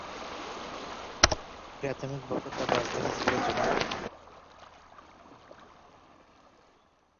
প্রাথমিকভাবে তার রাজধানী ছিল জুনারে।